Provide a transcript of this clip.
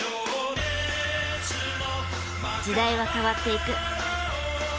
時代は変わっていく。